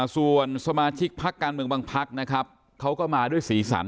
ส่วนสมาชิกพักการเมืองบางพักนะครับเขาก็มาด้วยสีสัน